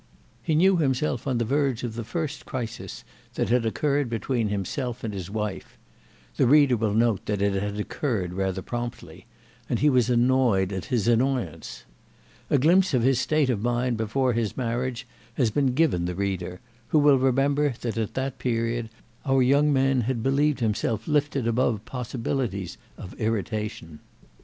He knew himself on the verge of the first crisis that had occurred between himself and his wife—the reader will note that it had occurred rather promptly—and he was annoyed at his annoyance. A glimpse of his state of mind before his marriage has been given the reader, who will remember that at that period our young man had believed himself lifted above possibilities of irritation.